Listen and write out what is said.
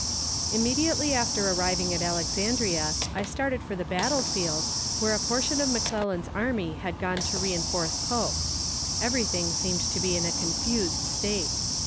Immediately after arriving at Alexandria, I started for the battle field, where a portion of McClellan's army had gone to reinforce Pope. Everything seemed to be in a confused state.